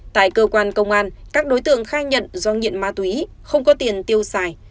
tại cơ quan công an các đối tượng khai nhận do nghiện ma túy không có tiền tiêu xài